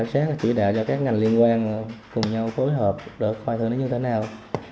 xác là chỉ đạo cho các ngành liên quan cùng nhau phối hợp được hoài thương như thế nào